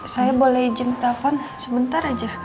saya boleh izin telepon sebentar aja